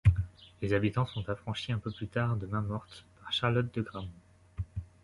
Les habitants sont affranchis un peu plus tard de mainmorte par Charlotte de Gramont.